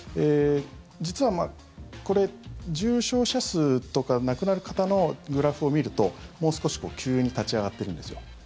実はこれ、重症者数とか亡くなる方のグラフを見るともう少し急に立ち上がってるんですよ。